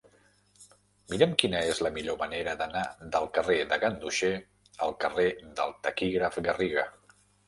Mira'm quina és la millor manera d'anar del carrer de Ganduxer al carrer del Taquígraf Garriga.